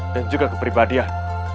dan juga kepribadian